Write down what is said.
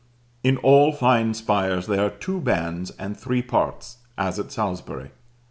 In all fine spires there are two bands and three parts, as at Salisbury.